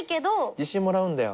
自信もらうんだよ。